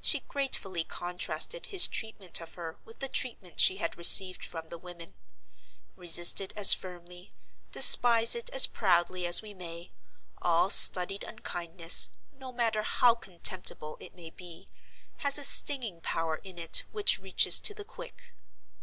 She gratefully contrasted his treatment of her with the treatment she had received from the women. Resist it as firmly, despise it as proudly as we may, all studied unkindness—no matter how contemptible it may be—has a stinging power in it which reaches to the quick.